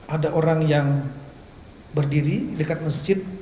ada orang yang berdiri dekat masjid